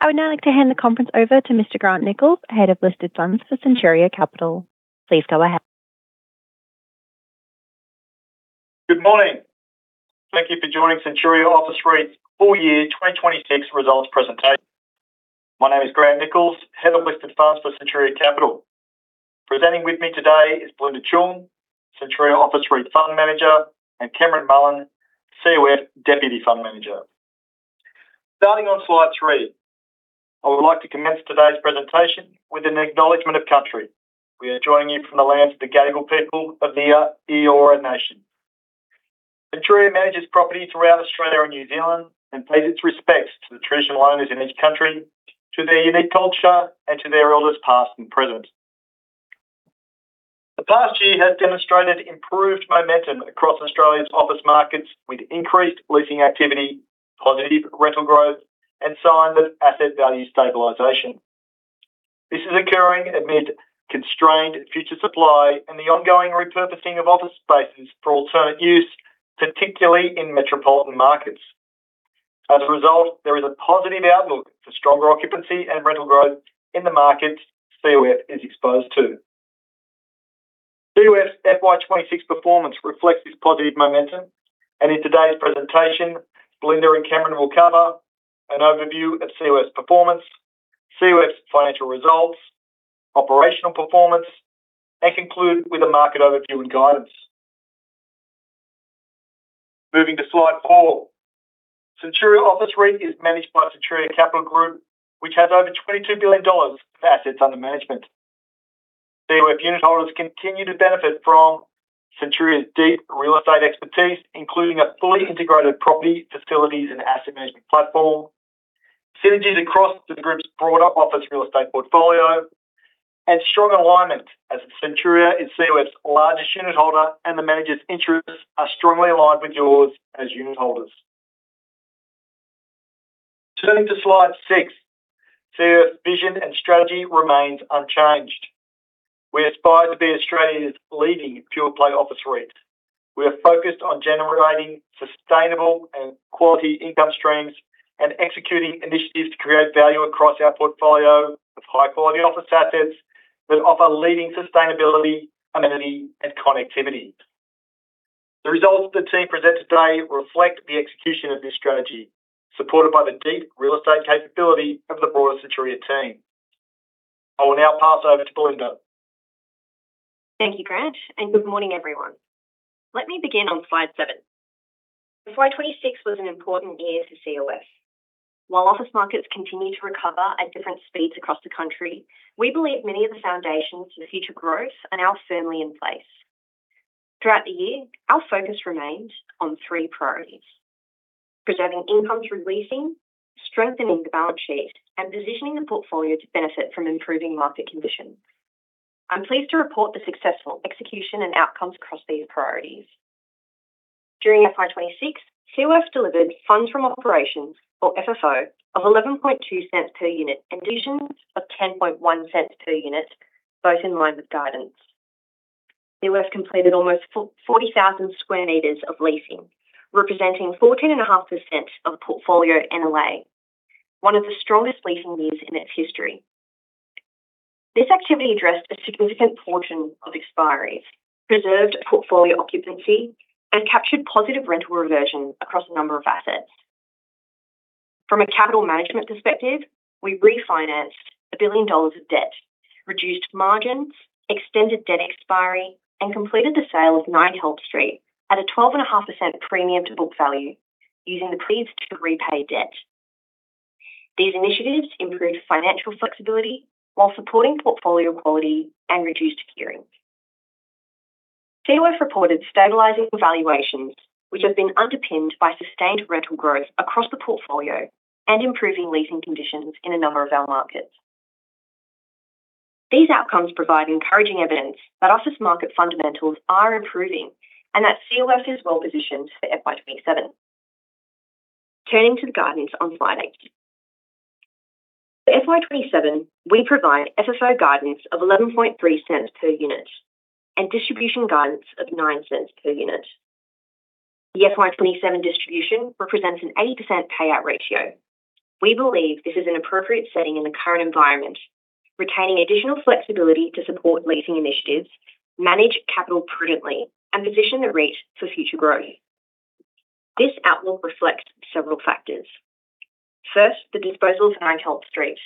I would now like to hand the conference over to Mr. Grant Nichols, Head of Listed Funds for Centuria Capital. Please go ahead. Good morning. Thank you for joining Centuria Office REIT's full year 2026 results presentation. My name is Grant Nichols, Head of Listed Funds for Centuria Capital. Presenting with me today is Belinda Cheung, Centuria Office REIT Fund Manager, and Cameron Mullen, COF Deputy Fund Manager. Starting on slide three, I would like to commence today's presentation with an acknowledgment of country. We are joining you from the lands of the Gadigal people of the Eora Nation. Centuria manages property throughout Australia and New Zealand and pays its respects to the traditional owners in this country, to their unique culture, and to their elders, past and present. The past year has demonstrated improved momentum across Australia's office markets with increased leasing activity, positive rental growth, and signs of asset value stabilization. This is occurring amid constrained future supply and the ongoing repurposing of office spaces for alternate use, particularly in metropolitan markets. As a result, there is a positive outlook for stronger occupancy and rental growth in the markets COF is exposed to. COF's FY 2026 performance reflects this positive momentum, and in today's presentation, Belinda and Cameron will cover an overview of COF's performance, COF's financial results, operational performance, and conclude with a market overview and guidance. Moving to slide four. Centuria Office REIT is managed by Centuria Capital Group, which has over 22 billion dollars of assets under management. COF unitholders continue to benefit from Centuria's deep real estate expertise, including a fully integrated property, facilities, and asset management platform, synergies across the group's broader office real estate portfolio, and strong alignment, as Centuria is COF's largest unitholder and the manager's interests are strongly aligned with yours as unitholders. Turning to slide six. COF's vision and strategy remains unchanged. We aspire to be Australia's leading pure play office REIT. We are focused on generating sustainable and quality income streams and executing initiatives to create value across our portfolio of high-quality office assets that offer leading sustainability, amenity, and connectivity. The results the team present today reflect the execution of this strategy, supported by the deep real estate capability of the broader Centuria team. I will now pass over to Belinda. Thank you, Grant, good morning, everyone. Let me begin on slide seven. FY 2026 was an important year for COF. While office markets continue to recover at different speeds across the country, we believe many of the foundations for future growth are now firmly in place. Throughout the year, our focus remained on three priorities: preserving incomes through leasing, strengthening the balance sheet, positioning the portfolio to benefit from improving market conditions. I'm pleased to report the successful execution and outcomes across these priorities. During FY 2026, COF delivered funds from operations, or FFO, of 0.112 per unit and distributions of 0.101 per unit, both in line with guidance. COF completed almost 40,000 sq m of leasing, representing 14.5% of the portfolio NLA, one of the strongest leasing years in its history. This activity addressed a significant portion of expiries, preserved portfolio occupancy, captured positive rental reversion across a number of assets. From a capital management perspective, we refinanced 1 billion dollars of debt, reduced margins, extended debt expiry, completed the sale of 9 Help Street at a 12.5% premium to book value using the proceeds to repay debt. These initiatives improved financial flexibility while supporting portfolio quality and reduced gearing. COF reported stabilizing valuations, which have been underpinned by sustained rental growth across the portfolio and improving leasing conditions in a number of our markets. These outcomes provide encouraging evidence that office market fundamentals are improving and that COF is well-positioned for FY 2027. Turning to the guidance on slide eight. For FY 2027, we provide FFO guidance of 0.113 per unit and distribution guidance of 0.09 per unit. The FY 2027 distribution represents an 80% payout ratio. We believe this is an appropriate setting in the current environment, retaining additional flexibility to support leasing initiatives, manage capital prudently, position the REIT for future growth. This outlook reflects several factors. First, the disposal of 9 Help Street.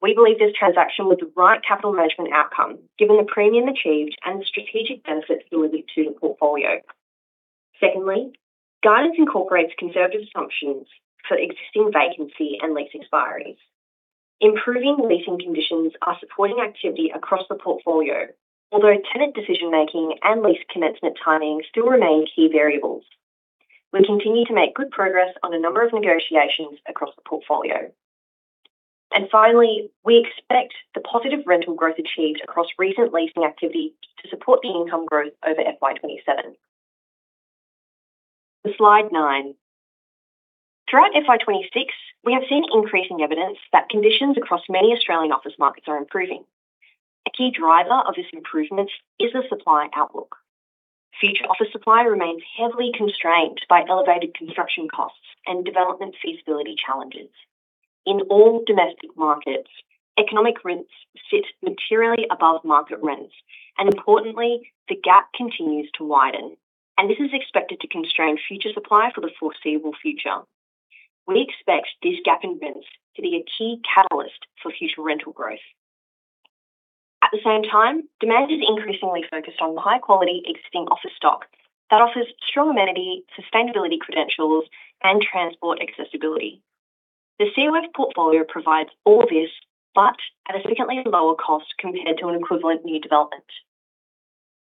We believe this transaction was the right capital management outcome, given the premium achieved and the strategic benefit delivered to the portfolio. Secondly, guidance incorporates conservative assumptions for existing vacancy and lease expiries. Improving leasing conditions are supporting activity across the portfolio, although tenant decision-making and lease commencement timing still remain key variables. We continue to make good progress on a number of negotiations across the portfolio. Finally, we expect the positive rental growth achieved across recent leasing activity to support the income growth over FY 2027. To slide nine. Throughout FY 2026, we have seen increasing evidence that conditions across many Australian office markets are improving. A key driver of this improvement is the supply outlook. Future office supply remains heavily constrained by elevated construction costs and development feasibility challenges. In all domestic markets, economic rents sit materially above market rents, importantly, the gap continues to widen. This is expected to constrain future supply for the foreseeable future. We expect this gap in rents to be a key catalyst for future rental growth. At the same time, demand is increasingly focused on the high-quality existing office stock that offers strong amenity, sustainability credentials, transport accessibility. The COF portfolio provides all this, at a significantly lower cost compared to an equivalent new development.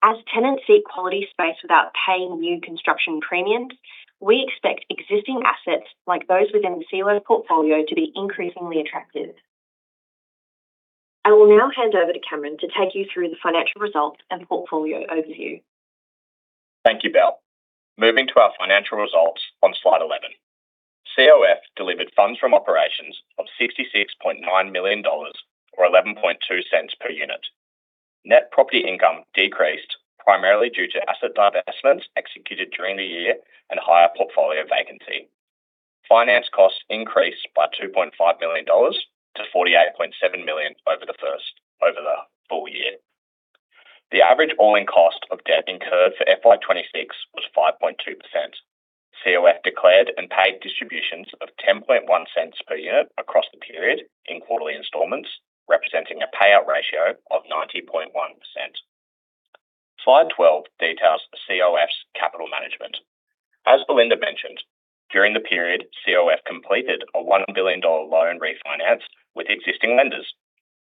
As tenants seek quality space without paying new construction premiums, we expect existing assets like those within the COF portfolio to be increasingly attractive. I will now hand over to Cameron to take you through the financial results and portfolio overview. Thank you, Bel. Moving to our financial results on slide 11. COF delivered funds from operations of 66.9 million dollars, or 0.112 per unit. Net property income decreased primarily due to asset divestments executed during the year and higher portfolio vacancy. Finance costs increased by 2.5 million-48.7 million dollars over the full year. The average all-in cost of debt incurred for FY 2026 was 5.2%. COF declared and paid distributions of 0.101 per unit across the period in quarterly installments, representing a payout ratio of 90.1%. Slide 12 details COF's capital management. As Belinda mentioned, during the period, COF completed a 1 billion dollar loan refinance with existing lenders,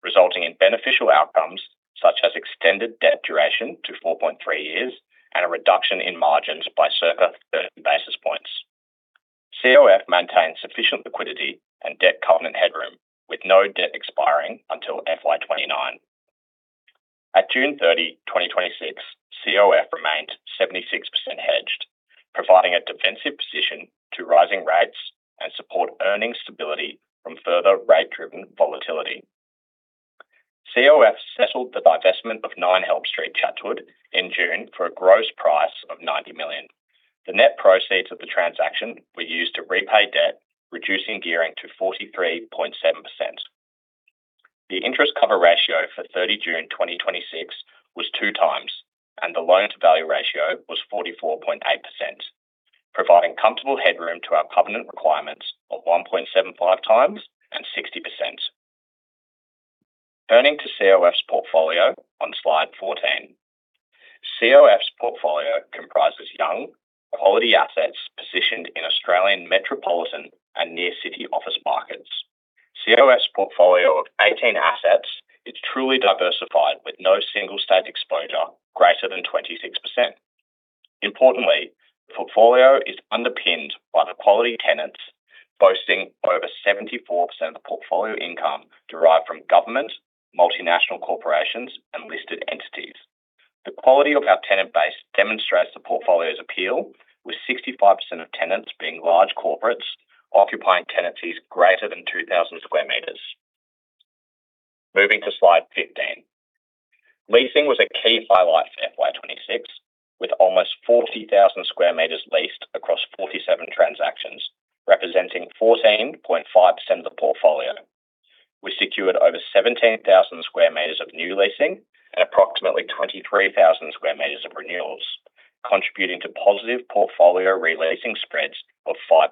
resulting in beneficial outcomes such as extended debt duration to 4.3 years and a reduction in margins by circa 30 basis points. COF maintains sufficient liquidity and debt covenant headroom with no debt expiring until FY 2029. At June 30, 2026, COF remained 76% hedged, providing a defensive position to rising rates and support earnings stability from further rate-driven volatility. COF settled the divestment of 9 Help Street, Chatswood in June for a gross price of 90 million. The net proceeds of the transaction were used to repay debt, reducing gearing to 43.7%. The interest cover ratio for 30 June 2026 was two times, and the loan-to-value ratio was 44.8%, providing comfortable headroom to our covenant requirements of 1.75 times and 60%. Turning to COF's portfolio on slide 14. COF's portfolio comprises young, quality assets positioned in Australian metropolitan and near city office markets. COF's portfolio of 18 assets is truly diversified, with no single state exposure greater than 26%. Importantly, the portfolio is underpinned by the quality tenants boasting over 74% of portfolio income derived from government, multinational corporations, and listed entities. The quality of our tenant base demonstrates the portfolio's appeal, with 65% of tenants being large corporates occupying tenancies greater than 2,000 sq m. Moving to slide 15. Leasing was a key highlight for FY 2026, with almost 40,000 sq m leased across 47 transactions, representing 14.5% of the portfolio. We secured over 17,000 sq m of new leasing and approximately 23,000 sq m of renewals, contributing to positive portfolio re-leasing spreads of 5%.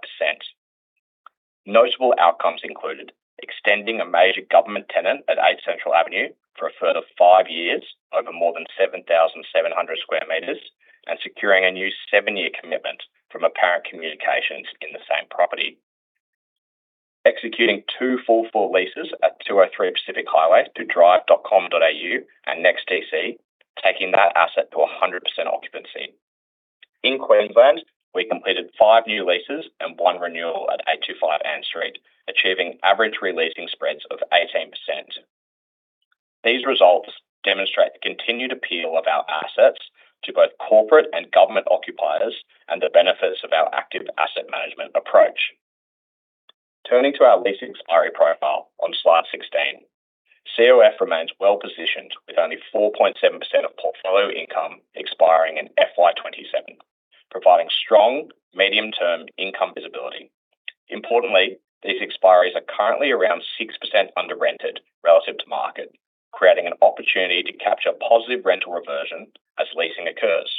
Notable outcomes included extending a major government tenant at 8 Central Avenue for a further five years over more than 7,700 sq m and securing a new seven-year commitment from Apparent Communications in the same property. Executing two full floor leases at 203 Pacific Highway to drive.com.au and NEXTDC, taking that asset to 100% occupancy. In Queensland, we completed five new leases and one renewal at 825 Ann Street, achieving average re-leasing spreads of 18%. These results demonstrate the continued appeal of our assets to both corporate and government occupiers and the benefits of our active asset management approach. Turning to our lease expiry profile on slide 16. COF remains well-positioned with only 4.7% of portfolio income expiring in FY 2027, providing strong medium-term income visibility. Importantly, these expiries are currently around 6% under-rented relative to market, creating an opportunity to capture positive rental reversion as leasing occurs.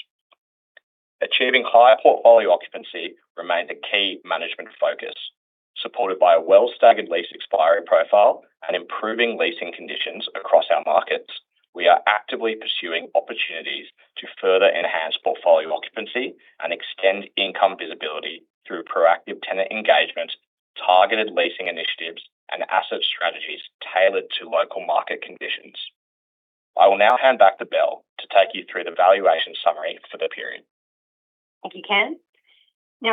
Achieving higher portfolio occupancy remains a key management focus. Supported by a well-staggered lease expiry profile and improving leasing conditions across our markets, we are actively pursuing opportunities to further enhance portfolio occupancy and extend income visibility through proactive tenant engagement, targeted leasing initiatives, and asset strategies tailored to local market conditions. I will now hand back to Bel to take you through the valuation summary for the period. Thank you, Cam.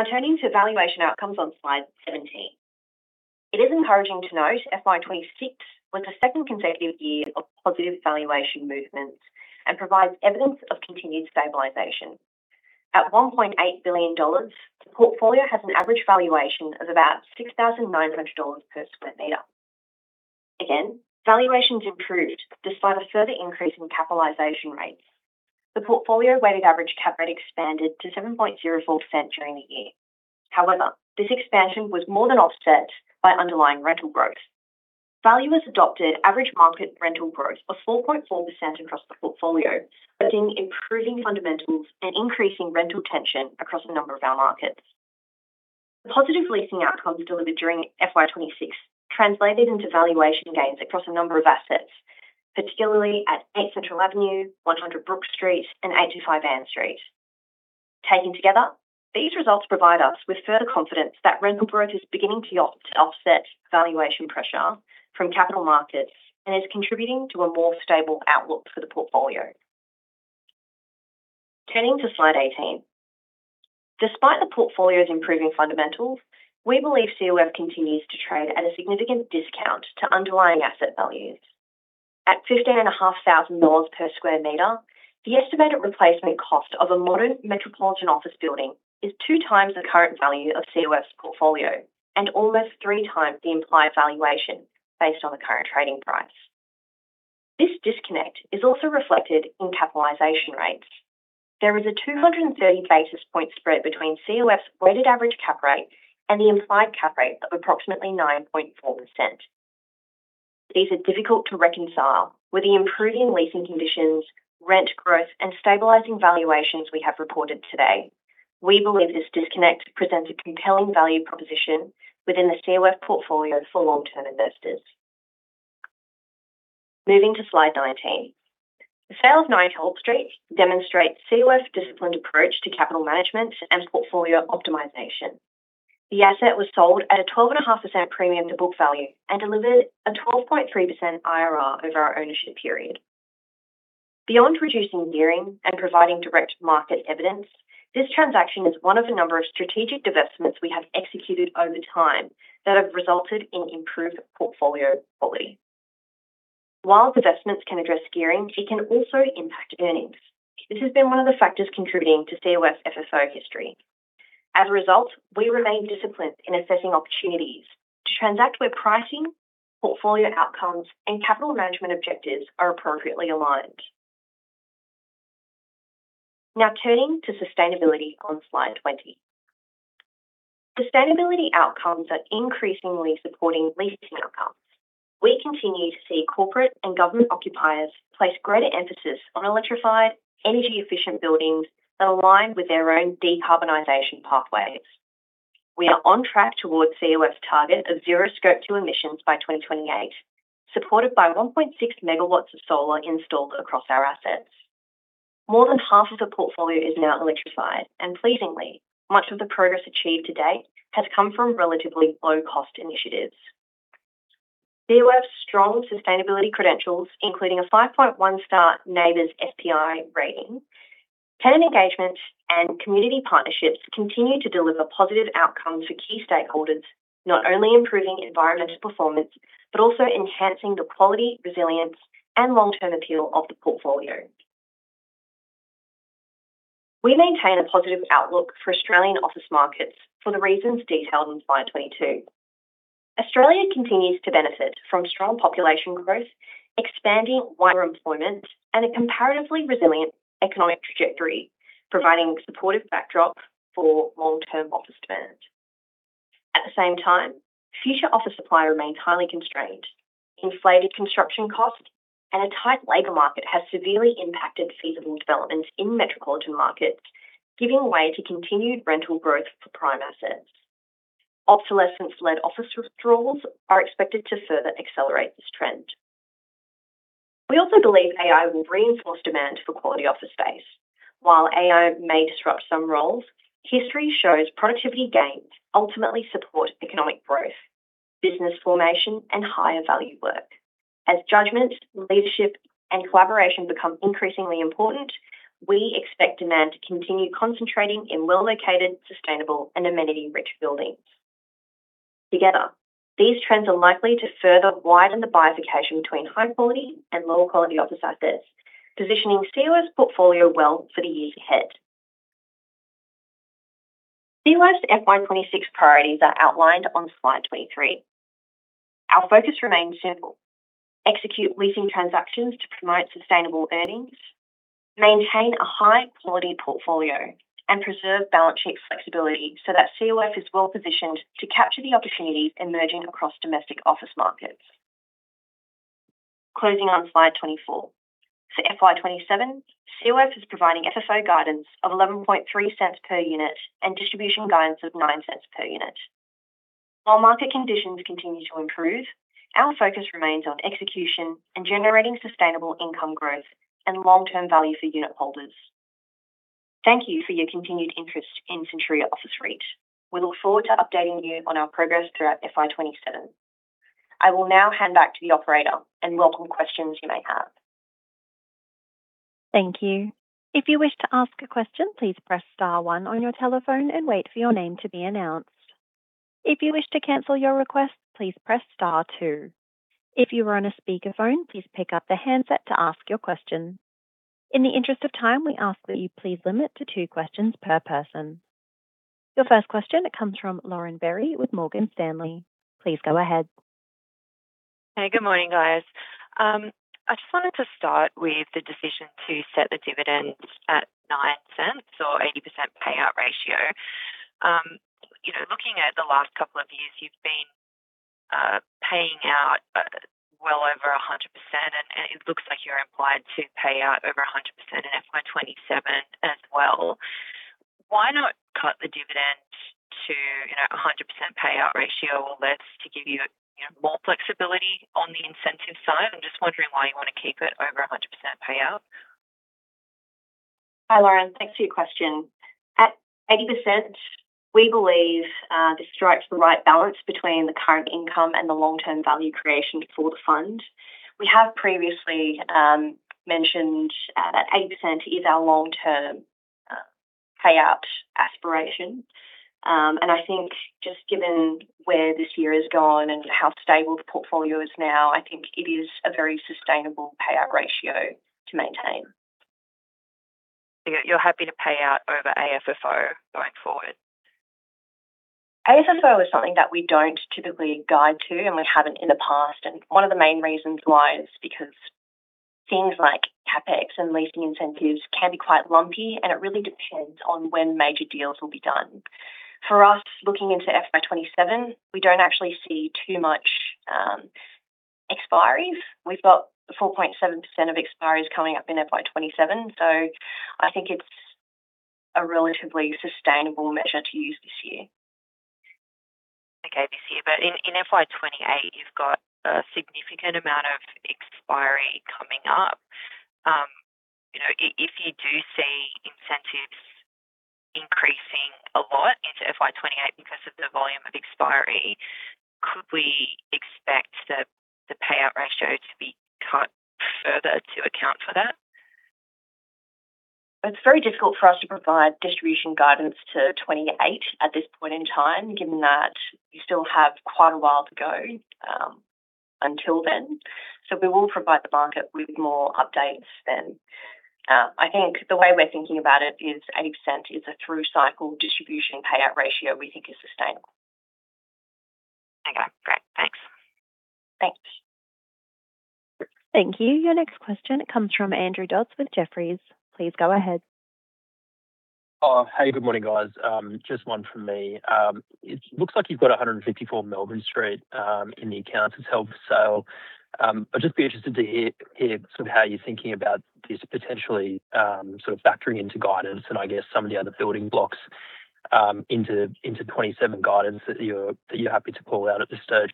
Turning to valuation outcomes on slide 17. It is encouraging to note FY 2026 was the second consecutive year of positive valuation movements and provides evidence of continued stabilization. At 1.8 billion dollars, the portfolio has an average valuation of about 6,900 dollars per square meter. Again, valuations improved despite a further increase in capitalization rates. The portfolio weighted average cap rate expanded to 7.04% during the year. However, this expansion was more than offset by underlying rental growth. Valuers adopted average market rental growth of 4.4% across the portfolio, but in improving fundamentals and increasing rental tension across a number of our markets. The positive leasing outcomes delivered during FY 2026 translated into valuation gains across a number of assets, particularly at 8 Central Avenue, 100 Brookes Street, and 825 Ann Street. Taken together, these results provide us with further confidence that rental growth is beginning to offset valuation pressure from capital markets and is contributing to a more stable outlook for the portfolio. Turning to slide 18. Despite the portfolio's improving fundamentals, we believe COF continues to trade at a significant discount to underlying asset values. At 15,500 dollars per square meter, the estimated replacement cost of a modern metropolitan office building is two times the current value of COF's portfolio and almost three times the implied valuation based on the current trading price. This disconnect is also reflected in capitalization rates. There is a 230 basis point spread between COF's weighted average cap rate and the implied cap rate of approximately 9.4%. These are difficult to reconcile with the improving leasing conditions, rent growth, and stabilizing valuations we have reported today. We believe this disconnect presents a compelling value proposition within the COF portfolio for long-term investors. Moving to slide 19. The sale of 9 Help Street demonstrates COF's disciplined approach to capital management and portfolio optimization. The asset was sold at a 12.5% premium to book value and delivered a 12.3% IRR over our ownership period. Beyond reducing gearing and providing direct market evidence, this transaction is one of a number of strategic divestments we have executed over time that have resulted in improved portfolio quality. While divestments can address gearing, it can also impact earnings. This has been one of the factors contributing to COF's FFO history. As a result, we remain disciplined in assessing opportunities to transact where pricing, portfolio outcomes, and capital management objectives are appropriately aligned. Turning to sustainability on slide 20. Sustainability outcomes are increasingly supporting leasing outcomes. We continue to see corporate and government occupiers place greater emphasis on electrified, energy-efficient buildings that align with their own de-carbonization pathways. We are on track towards COF's target of zero scope two emissions by 2028, supported by 1.6 megawatts of solar installed across our assets. More than half of the portfolio is now electrified, and pleasingly, much of the progress achieved to date has come from relatively low-cost initiatives. COF's strong sustainability credentials, including a 5.1 star NABERS SPI rating. Tenant engagements and community partnerships continue to deliver positive outcomes for key stakeholders, not only improving environmental performance, but also enhancing the quality, resilience, and long-term appeal of the portfolio. We maintain a positive outlook for Australian office markets for the reasons detailed on slide 22. Australia continues to benefit from strong population growth, expanding wider employment, and a comparatively resilient economic trajectory, providing a supportive backdrop for long-term office demand. At the same time, future office supply remains highly constrained. Inflated construction costs and a tight labor market has severely impacted feasible developments in metropolitan markets, giving way to continued rental growth for prime assets. Obsolescence-led office withdrawals are expected to further accelerate this trend. We also believe AI will reinforce demand for quality office space. While AI may disrupt some roles, history shows productivity gains ultimately support economic growth, business formation, and higher value work. As judgment, leadership, and collaboration become increasingly important, we expect demand to continue concentrating in well-located, sustainable, and amenity-rich buildings. Together, these trends are likely to further widen the bifurcation between high-quality and low-quality office assets, positioning COF's portfolio well for the years ahead. COF's FY 2026 priorities are outlined on slide 23. Our focus remains simple: execute leasing transactions to promote sustainable earnings, maintain a high-quality portfolio, and preserve balance sheet flexibility so that COF is well positioned to capture the opportunities emerging across domestic office markets. Closing on slide 24. For FY 2027, COF is providing FFO guidance of 0.113 per unit and distribution guidance of 0.09 per unit. While market conditions continue to improve, our focus remains on execution and generating sustainable income growth and long-term value for unit holders. Thank you for your continued interest in Centuria Office REIT. We look forward to updating you on our progress throughout FY 2027. I will now hand back to the operator and welcome questions you may have. Thank you. If you wish to ask a question, please press star one on your telephone and wait for your name to be announced. If you wish to cancel your request, please press star two. If you are on a speakerphone, please pick up the handset to ask your question. In the interest of time, we ask that you please limit to two questions per person. Your first question comes from Lauren Berry with Morgan Stanley. Please go ahead. Good morning, guys. I just wanted to start with the decision to set the dividend at 0.09 or 80% payout ratio. Looking at the last couple of years, you've been paying out well over 100% and it looks like you're implied to pay out over 100% in FY 2027 as well. Why not cut the dividend to 100% payout ratio or less to give you more flexibility on the incentive side? I'm just wondering why you want to keep it over 100% payout. Hi, Lauren. Thanks for your question. At 80%, we believe this strikes the right balance between the current income and the long-term value creation for the fund. We have previously mentioned that 80% is our long-term payout aspiration. I think just given where this year has gone and how stable the portfolio is now, I think it is a very sustainable payout ratio to maintain. You're happy to pay out over AFFO going forward? AFFO is something that we don't typically guide to, and we haven't in the past. One of the main reasons why is because things like CapEx and leasing incentives can be quite lumpy, and it really depends on when major deals will be done. For us, looking into FY 2027, we don't actually see too much expiries. We've got 4.7% of expiries coming up in FY 2027. I think it's a relatively sustainable measure to use this year. Okay. This year. In FY 2028, you've got a significant amount of expiry coming up. If you do see incentives increasing a lot into FY 2028 because of the volume of expiry, could we expect the payout ratio to be cut further to account for that? It's very difficult for us to provide distribution guidance to 2028 at this point in time, given that we still have quite a while to go until then. We will provide the market with more updates then. I think the way we're thinking about it is 80% is a through-cycle distribution payout ratio we think is sustainable. Okay, great. Thanks. Thanks. Thank you. Your next question comes from Andrew Dodds with Jefferies. Please go ahead. Good morning, guys. Just one from me. It looks like you've got 154 Melbourne Street in the accounts. It is held for sale. I would just be interested to hear sort of how you are thinking about this potentially sort of factoring into guidance and I guess some of the other building blocks into 2027 guidance that you are happy to call out at this stage.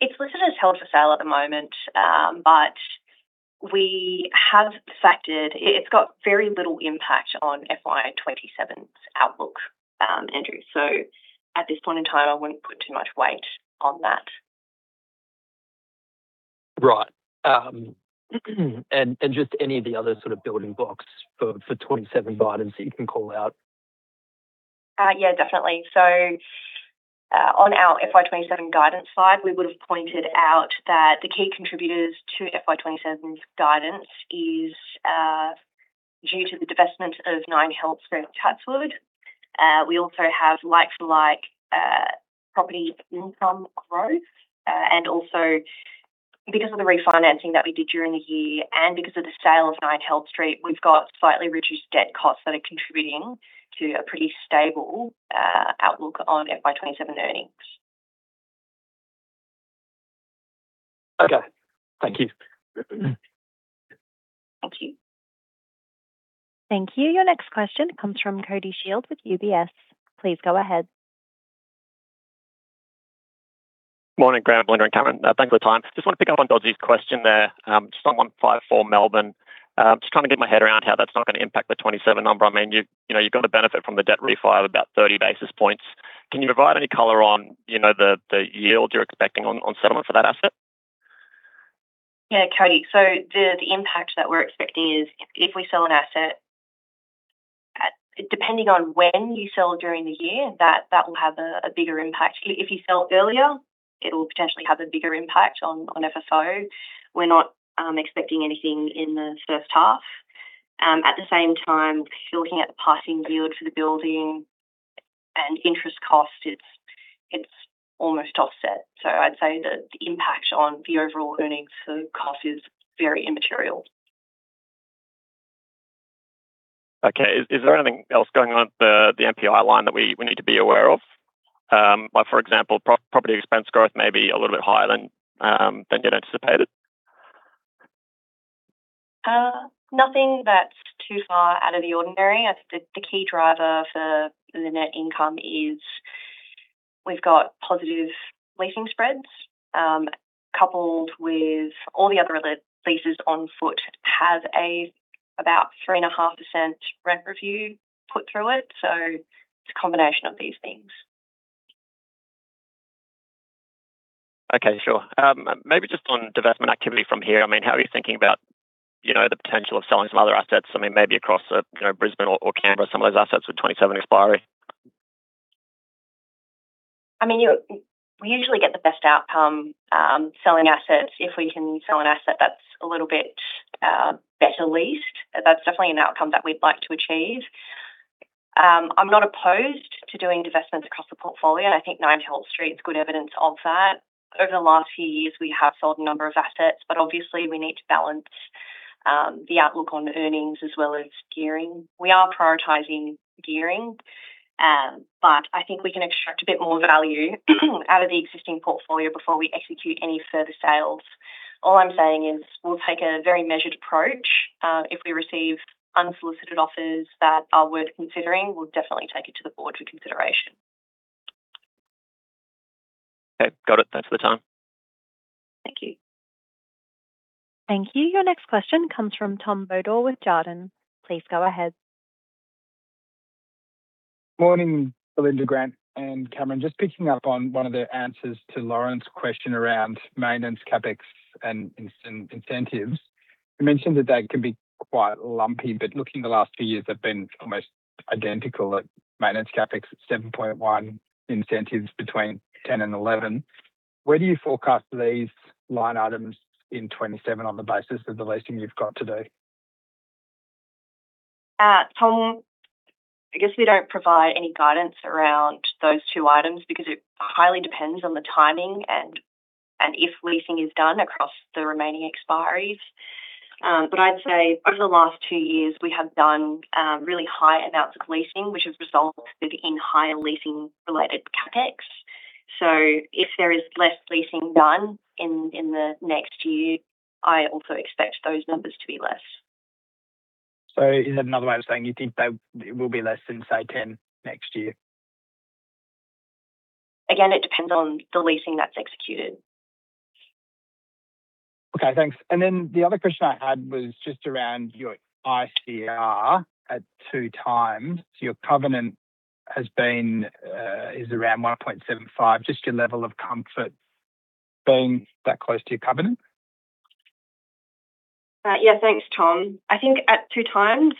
It is listed as held for sale at the moment, but it has got very little impact on FY 2027's outlook, Andrew. At this point in time, I would not put too much weight on that. Right. Just any of the other sort of building blocks for 2027 guidance that you can call out? Definitely. On our FY 2027 guidance slide, we would have pointed out that the key contributors to FY 2027's guidance is due to the divestment of 9 Help Street, Chatswood. We also have like-to-like property income growth. Also because of the refinancing that we did during the year and because of the sale of 9 Help Street, we have got slightly reduced debt costs that are contributing to a pretty stable outlook on FY 2027 earnings. Okay. Thank you. Thank you. Thank you. Your next question comes from Cody Shield with UBS. Please go ahead. Morning, Grant, Belinda, and Cameron. Thanks for the time. Just want to pick up on Doddy's question there. Just on 154 Melbourne. Just trying to get my head around how that's not going to impact the 2027 number. You've got the benefit from the debt refi of about 30 basis points. Can you provide any color on the yields you're expecting on settlement for that asset? Yeah, Cody. The impact that we're expecting is if we sell an asset, depending on when you sell during the year, that will have a bigger impact. If you sell earlier, it'll potentially have a bigger impact on FFO. We're not expecting anything in the first half. At the same time, looking at the passing yield for the building and interest cost, it's almost offset. I'd say that the impact on the overall earnings for COF is very immaterial. Okay. Is there anything else going on with the NPI line that we need to be aware of? For example, property expense growth may be a little bit higher than you'd anticipated. Nothing that's too far out of the ordinary. I think the key driver for the net income is we've got positive leasing spreads, coupled with all the other leases on foot have about 3.5% rent review put through it. It's a combination of these things. Okay, sure. Maybe just on divestment activity from here. How are you thinking about the potential of selling some other assets, maybe across Brisbane or Canberra, some of those assets with 2027 expiry? We usually get the best outcome selling assets if we can sell an asset that's a little bit better leased. That's definitely an outcome that we'd like to achieve. I'm not opposed to doing divestments across the portfolio, and I think 9 Help Street is good evidence of that. Over the last few years, we have sold a number of assets, but obviously we need to balance the outlook on earnings as well as gearing. We are prioritizing gearing. I think we can extract a bit more value out of the existing portfolio before we execute any further sales. All I'm saying is we'll take a very measured approach. If we receive unsolicited offers that are worth considering, we'll definitely take it to the board for consideration. Okay, got it. Thanks for the time. Thank you. Thank you. Your next question comes from Tom Bodor with Jarden. Please go ahead. Morning, Belinda, Grant, and Cameron. Just picking up on one of the answers to Lauren's question around maintenance CapEx and incentives. You mentioned that can be quite lumpy, looking the last few years have been almost identical. Like maintenance CapEx at 7.1, incentives between 10 and 11. Where do you forecast these line items in 2027 on the basis of the leasing you've got to do? Tom, I guess we don't provide any guidance around those two items because it highly depends on the timing and if leasing is done across the remaining expiries. I'd say over the last two years, we have done really high amounts of leasing, which has resulted in higher leasing-related CapEx. If there is less leasing done in the next year, I also expect those numbers to be less. Is that another way of saying you think they will be less than, say, 10 next year? Again, it depends on the leasing that's executed. Okay, thanks. The other question I had was just around your ICR at two times. Your covenant is around 1.75. Just your level of comfort being that close to your covenant. Yeah, thanks, Tom. I think at two times,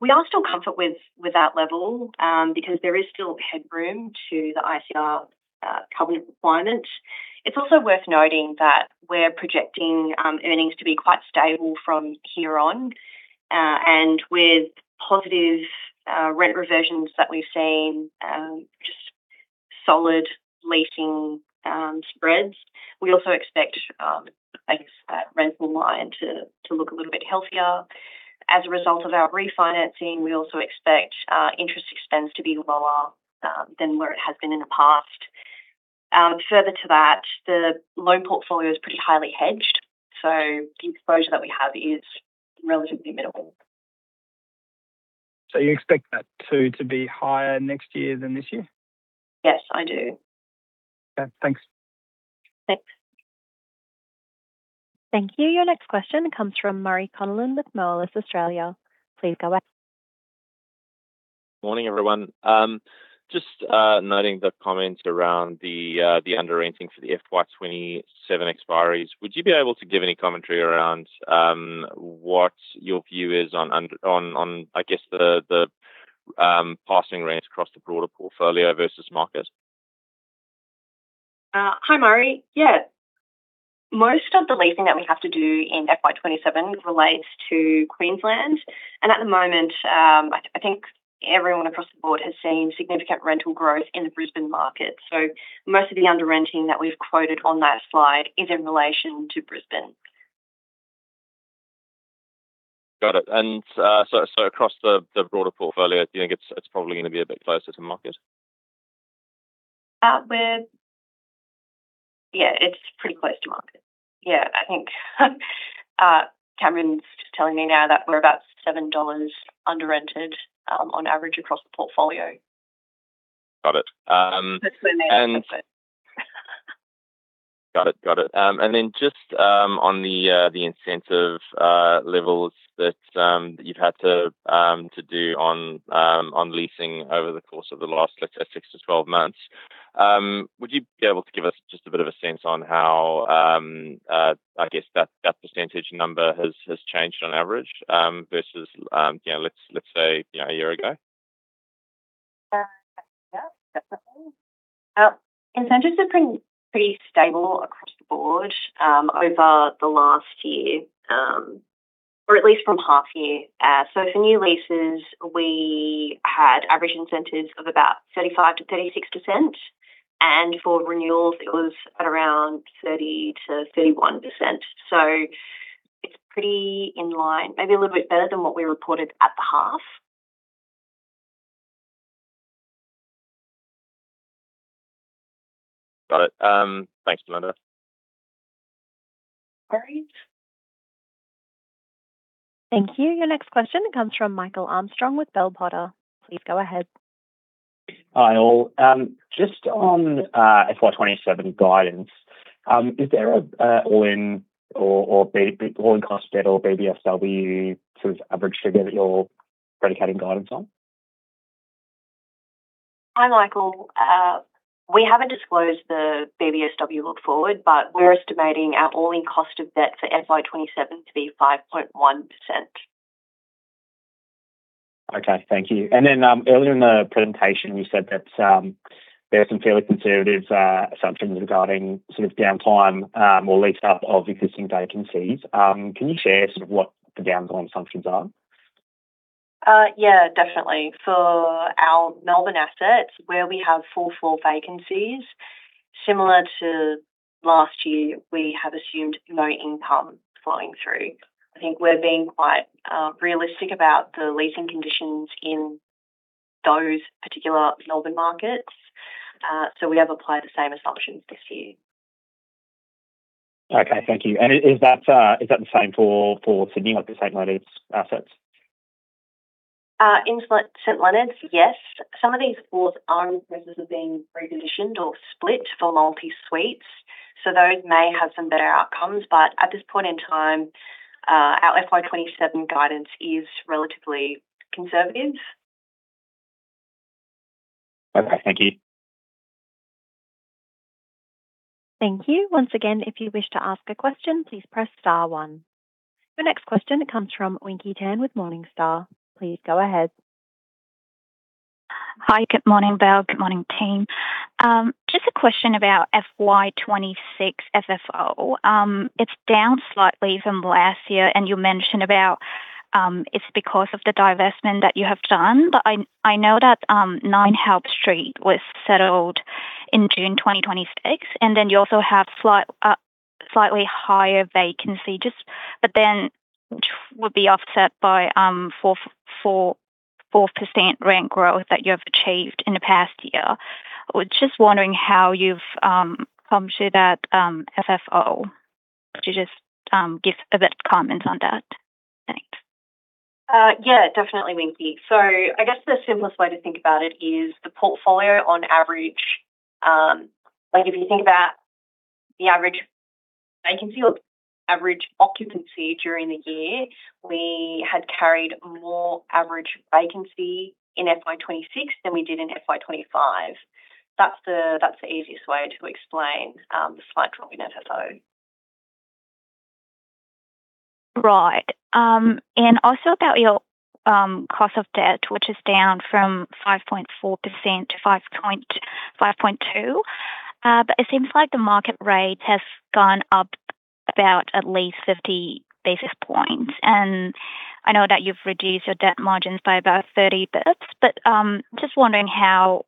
we are still comfort with that level, because there is still headroom to the ICR covenant requirement. It's also worth noting that we're projecting earnings to be quite stable from here on. With positive rent reversions that we've seen, just solid leasing spreads, we also expect our rental line to look a little bit healthier. As a result of our refinancing, we also expect our interest expense to be lower than where it has been in the past. Further to that, the loan portfolio is pretty highly hedged, the exposure that we have is relatively minimal. You expect that to be higher next year than this year? Yes, I do. Okay, thanks. Thanks. Thank you. Your next question comes from Murray Connellan with Moelis Australia. Please go. Morning, everyone. Just noting the comment around the underrenting for the FY 2027 expiries. Would you be able to give any commentary around what your view is on the passing rents across the broader portfolio versus market? Hi, Murray. Yeah. Most of the leasing that we have to do in FY 2027 relates to Queensland. At the moment, I think everyone across the board has seen significant rental growth in the Brisbane market. Most of the underrenting that we've quoted on that slide is in relation to Brisbane. Got it. Across the broader portfolio, do you think it's probably going to be a bit closer to market? Yeah, it's pretty close to market. Yeah. I think Cameron's telling me now that we're about 7 dollars underrented on average across the portfolio. Got it. That's when they're tested. Got it. Got it. Just on the incentive levels that you've had to do on leasing over the course of the last, let's say, six to 12 months. Would you be able to give us just a bit of a sense on how that percentage number has changed on average versus let's say a year ago? Yeah. Definitely. Incentives are pretty stable across the board over the last year, or at least from half year. For new leases, we had average incentives of about 35%-36%, and for renewals it was at around 30%-31%. It's pretty in line, maybe a little bit better than what we reported at the half. Got it. Thanks, Belinda. No worries. Thank you. Your next question comes from Michael Armstrong with Bell Potter. Please go ahead. Hi, all. Just on FY 2027 guidance. Is there an all-in cost debt or BBSW sort of average figure that you're predicating guidance on? Hi, Michael. We haven't disclosed the BBSW look forward, but we're estimating our all-in cost of debt for FY 2027 to be 5.1%. Okay, thank you. Earlier in the presentation, we said that there's some fairly conservative assumptions regarding sort of downtime or lease up of existing vacancies. Can you share sort of what the downtime assumptions are? Yeah, definitely. For our Melbourne assets where we have full floor vacancies, similar to last year, we have assumed no income flowing through. I think we are being quite realistic about the leasing conditions in those particular Melbourne markets. We have applied the same assumptions this year. Okay, thank you. Is that the same for Sydney, like the St Leonard's assets? In St Leonard's, yes. Some of these floors are in the process of being repositioned or split for multi suites. Those may have some better outcomes. At this point in time, our FY 2027 guidance is relatively conservative. Okay, thank you. Thank you. Once again, if you wish to ask a question, please press star one. Your next question comes from Winky Tan with Morningstar. Please go ahead. Hi. Good morning, Bel. Good morning, team. Just a question about FY 2026 FFO. It's down slightly from last year, and you mentioned about, it's because of the divestment that you have done. I know that 9 Help Street was settled in June 2026, and then you also have slightly higher vacancy, but then would be offset by 4% rent growth that you have achieved in the past year. Was just wondering how you've come to that, FFO. Could you just give a bit of comment on that? Thanks. Yeah, definitely, Winky. I guess the simplest way to think about it is the portfolio on average. If you think about the average vacancy or average occupancy during the year, we had carried more average vacancy in FY 2026 than we did in FY 2025. That's the easiest way to explain, the slight drop in FFO. Right. Also about your cost of debt, which is down from 5.4%-5.2%. It seems like the market rate has gone up about at least 50 basis points. I know that you've reduced your debt margins by about 30 basis points, but just wondering how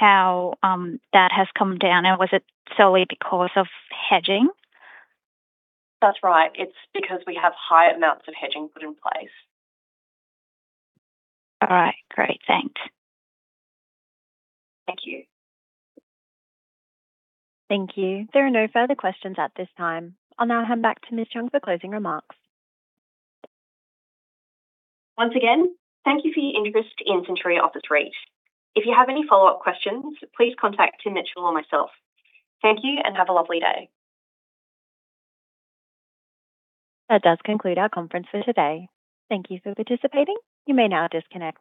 that has come down, and was it solely because of hedging? That's right. It's because we have high amounts of hedging put in place. All right, great. Thanks. Thank you. Thank you. There are no further questions at this time. I'll now hand back to Ms. Cheung for closing remarks. Once again, thank you for your interest in Centuria Office REIT. If you have any follow-up questions, please contact Tim Mitchell or myself. Thank you, and have a lovely day. That does conclude our conference for today. Thank you for participating. You may now disconnect.